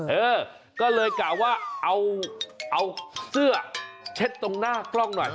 เออก็เลยกะว่าเอาเสื้อเช็ดตรงหน้ากล้องหน่อย